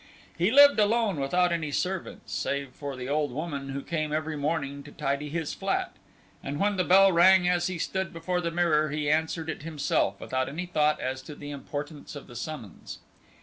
He lived alone without any servants save for the old woman who came every morning to tidy his flat, and when the bell rang as he stood before the mirror, he answered it himself without any thought as to the importance of the summons.